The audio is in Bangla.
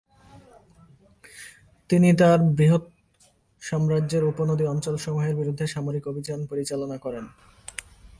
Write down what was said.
তিনি তাঁর বৃহৎ সাম্রাজ্যের উপনদী অঞ্চলসমূহের বিরুদ্ধে সামরিক অভিযান পরিচালনা করেন।